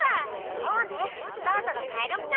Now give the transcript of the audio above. そうねそろそろかえろっか。